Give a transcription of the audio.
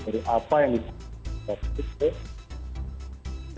dari apa yang disebut